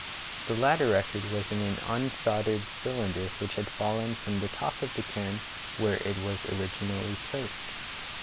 The latter record was in an unsoldered cylinder which had fallen from the top of the cairn where it was originally placed.